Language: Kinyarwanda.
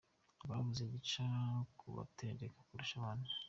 Rwabuze gica ku batendeka kurusha abandi